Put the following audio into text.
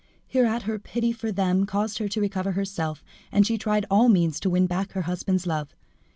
Hereat her pity for them caused her to recover herself, and she tried all means to win back her husband's love.